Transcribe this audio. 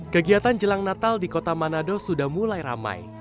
kegiatan jelang natal di kota manado sudah mulai ramai